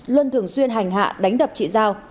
luân thường xuyên hành hạ đánh đập chị giao